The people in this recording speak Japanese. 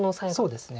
そうですね。